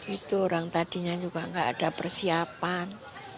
itu orang tadinya juga nggak ada persiapan